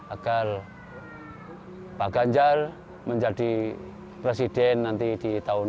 agar pak ganjar menjadi presiden nanti di tahun dua ribu dua puluh